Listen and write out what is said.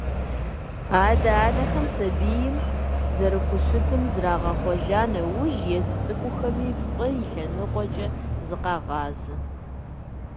Адэ-анэхэм сабийм зэрыхущытым зрагъэхъуэжа нэужь, езы цӀыкӀухэми фӀы и лъэныкъуэкӀэ зыкъагъазэ.